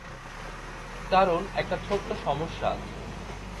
কারণ একটা ছোট্ট সমস্যা আছে।